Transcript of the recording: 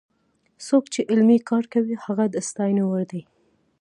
څوک چې علمي کار کوي هغه د ستاینې وړ دی.